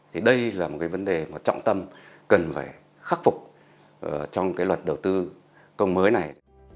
thì đây là một cái vấn đề mà trọng tâm cần phải khắc phục trong cái luật đầu tư công mới này